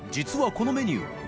このメニュー薀ぅ